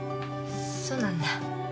そうなんだ。